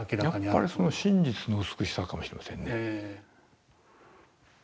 やっぱりその真実の美しさかもしれませんね。